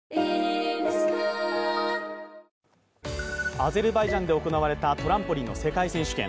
アゼルバイジャンで行われたトランポリンの世界選手権。